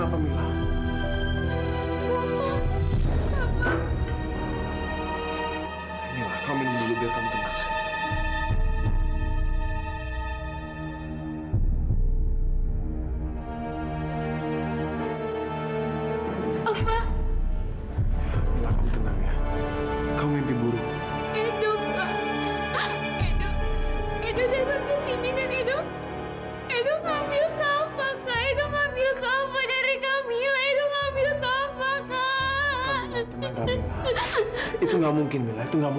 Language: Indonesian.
kak fadil baik baik aja kan mila